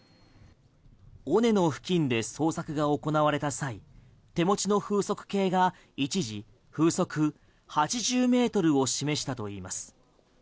尾根の付近で捜索が行われた際手持ちの風速計が一時、風速８０ｍを示したといいます。